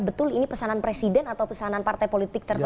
betul ini pesanan presiden atau pesanan partai politik tertentu